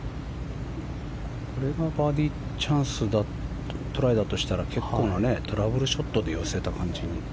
これがバーディートライだとしたら結構なトラブルショットで寄せた感じに。